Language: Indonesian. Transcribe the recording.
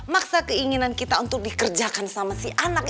maksa keinginan kita untuk dikerjakan sama si anak